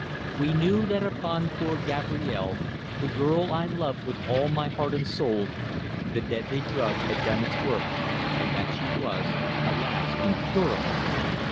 We knew that upon poor Gabrielle, the girl I loved with all my heart and soul, the deadly drug had done its work and that she was, alas! incurable!